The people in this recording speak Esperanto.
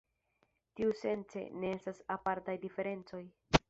Tiusence, ne estas apartaj diferencoj.